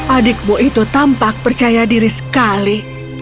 adikmu itu tampak percaya diri sekali